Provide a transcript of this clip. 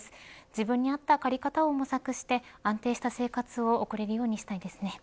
自分に合った借り方を模索して安定した生活を送れるようにしたいですね。